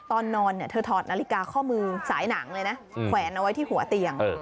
ตอนนอนเธอถอดนาฬิกาข้อมือสายหนังเลยนะแขวนเอาไว้ที่หัวเตียง